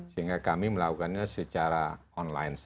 sehingga kami melakukannya secara online